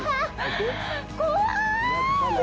怖い！